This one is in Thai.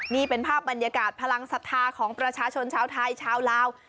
นี่เป็นภาพบรรยากาศพลังศรัทธาของประชาชนชาวไทยชาวลาว